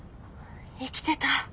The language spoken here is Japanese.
生きてた！